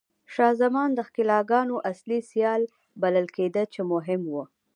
شاه زمان د ښکېلاګرانو اصلي سیال بلل کېده چې مهم و.